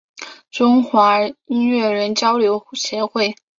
中华音乐人交流协会